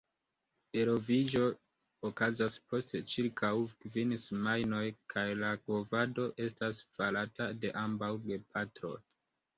Eloviĝo okazas post ĉirkaŭ kvin semajnoj, kaj la kovado estas farata de ambaŭ gepatroj.